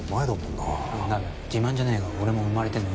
ナベ自慢じゃねえが俺も生まれてねえ。